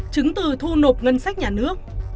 chứng từ thu nộp ngân sách nhà nước